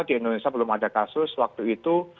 di indonesia belum ada kasus waktu itu